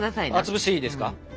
潰していいですか？